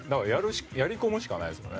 やり込むしかないですよね